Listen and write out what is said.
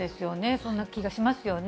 そんな気がしますよね。